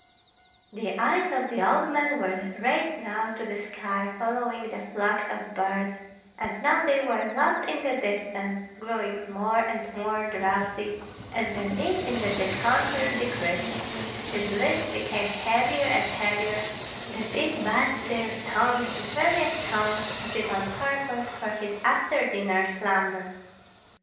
The eyes of the old man were raised now to the sky, following the flocks of birds, and now they were lost in the distance, growing more and more drowsy, as the mead in the decanter decreased; his lids became heavier and heavier, the bees buzzed their song in various tones as if on purpose for his after dinner slumber.